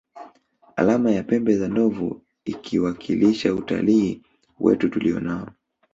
Alama ya pembe za ndovu ikiwakilisha utalii wetu tulio nao